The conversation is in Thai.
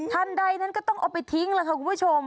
ทันใดนั้นก็ต้องเอาไปทิ้งแล้วค่ะคุณผู้ชม